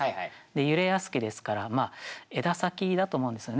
「揺れやすき」ですから枝先だと思うんですよね。